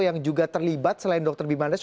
yang juga terlibat selain dr bimanes